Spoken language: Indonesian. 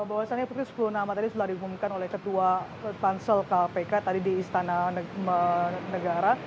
bahwasannya sepuluh nama tadi setelah diumumkan oleh ketua pansel kpk tadi di istana negara